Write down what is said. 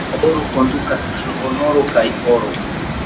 Laboro kondukas al honoro kaj oro.